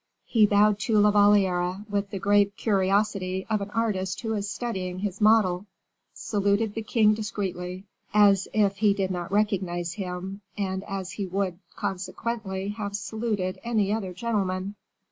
He bowed to La Valliere with the grave curiosity of an artist who is studying his model, saluted the king discreetly, as if he did not recognize him, and as he would, consequently, have saluted any other gentleman.